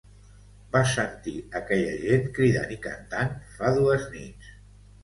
Vas sentir aquella gent cridant i cantant fa dues nits.